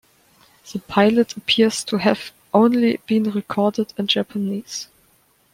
The pilot appears to have only been recorded in Japanese.